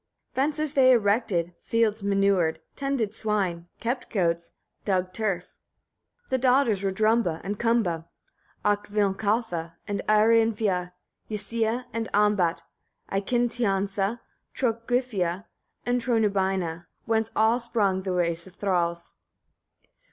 Fences they erected, fields manured, tended swine, kept goats, dug turf. 13. The daughters were Drumba and Kumba, Okkvinkalfa, and Arinnefia, Ysia and Ambatt, Eikintiasna, Totrughypia, and Tronubeina, whence are sprung the race of thralls.